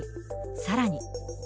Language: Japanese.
さらに。